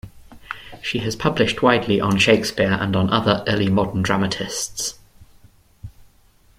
She has published widely on Shakespeare and on other early modern dramatists.